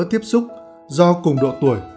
tiếp xúc do cùng độ tuổi